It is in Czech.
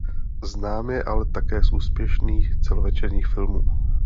Znám je ale také z úspěšných celovečerních filmů.